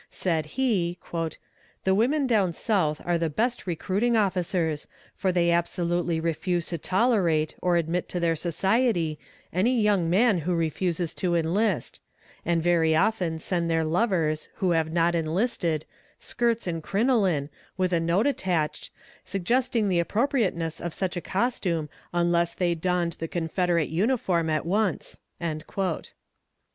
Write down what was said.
Said he: "The women down South are the best recruiting officers for they absolutely refuse to tolerate, or admit to their society, any young man who refuses to enlist; and very often send their lovers, who have not enlisted, skirts and crinoline, with a note attached, suggesting the appropriateness of such a costume unless they donned the Confederate uniform at once."